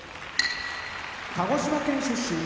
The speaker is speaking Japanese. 鹿児島県出身